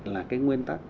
là cái nguyên tắc